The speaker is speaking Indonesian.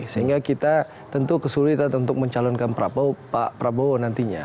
sehingga kita tentu kesulitan untuk mencalonkan pak prabowo nantinya